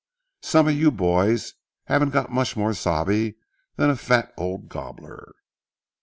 Some of you boys haven't got much more sabe than a fat old gobbler."